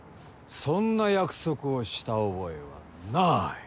そんな約束をした覚えはない。